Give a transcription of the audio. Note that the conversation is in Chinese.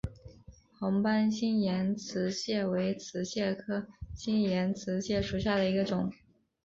红斑新岩瓷蟹为瓷蟹科新岩瓷蟹属下的一个种。